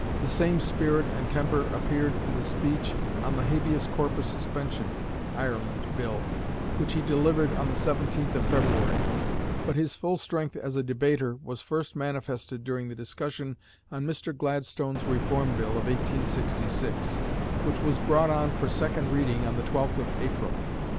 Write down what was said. The same spirit and temper appeared in the speech on the Habeas Corpus Suspension (Ireland) Bill, which he delivered on the 17th of February; but his full strength as a debater was first manifested during the discussion on Mr. Gladstone's Reform Bill of 1866, which was brought on for second reading on the 12th of April.